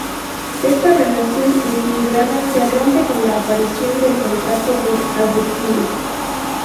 Esta relación equilibrada se rompe con la aparición del contrato por adhesión.